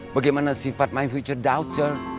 bagaimana sifat my future doucture